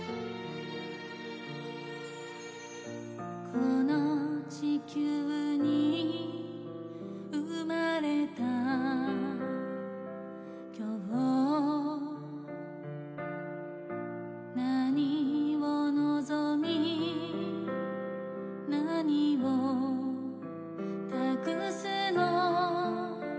この地球に生まれた今日何を望み何を託すの？